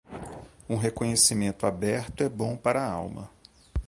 Um reconhecimento aberto é bom para a alma.